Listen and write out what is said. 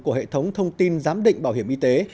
của hệ thống thông tin giám định bảo hiểm y tế